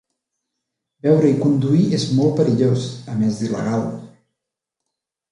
Beure i conduir és molt perillós, a més d'il·legal.